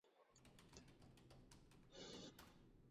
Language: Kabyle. Arraw-ik ad ṭṭfen amkan n lejdud-ik.